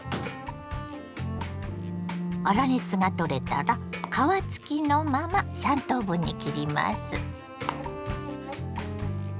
粗熱が取れたら皮付きのまま３等分に切ります。